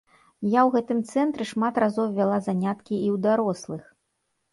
Я ў гэтым цэнтры шмат разоў вяла заняткі і ў дарослых.